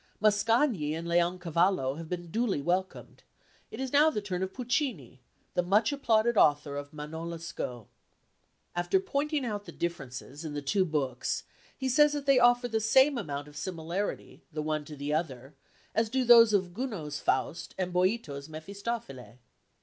Mascagni and Leoncavallo having been duly welcomed, it is now the turn of Puccini, the much applauded author of Manon Lescaut." After pointing out the differences in the two books, he says that they offer the same amount of similarity the one to the other as do those of Gounod's Faust and Boïto's Mefistofele.